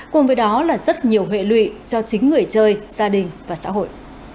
cùng với đó là rất nhiều hệ lụy cho chính người chơi gia đình và xã hội